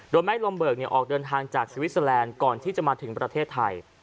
โดยแม่ลมเบิกออกเดินทางจากสวิสเตอร์แลนด์ก่อนที่จะมาถึงประเทศไทย